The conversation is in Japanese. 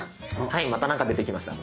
はいまた何か出てきました。